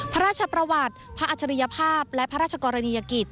พระราชประวัติพระอัจฉริยภาพและพระราชกรณียกิจ